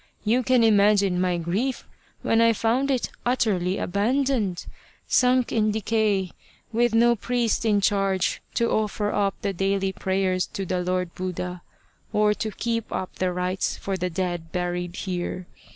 You can imagine my grief when I found it utterly abandoned, sunk in decay, with no priest in charge to offer up the daily prayers to the Lord Buddha, or to keep up the rites for the dead buried here.